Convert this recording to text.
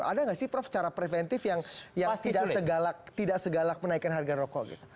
ada nggak sih prof cara preventif yang tidak segalak menaikkan harga rokok gitu